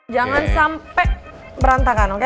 jangan sampai berantakan oke